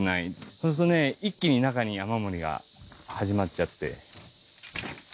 そうするとね一気に中に雨漏りが始まっちゃって。